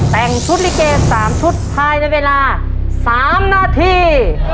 แต่งชุดริเกย์สามชุดท้ายในเวลาสามนาที